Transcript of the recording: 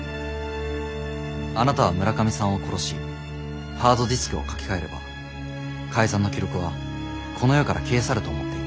あなたは村上さんを殺しハードディスクを書き換えれば改ざんの記録はこの世から消え去ると思っていた。